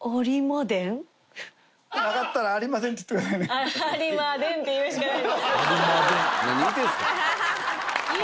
「ありまでん」って言うしかない。